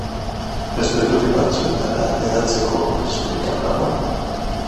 Beste toki batzuetara hedatzeko arriskurik al dago?